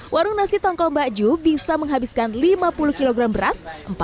warung nasi tongkol mbak ju bisa menghabiskan lima puluh kg beras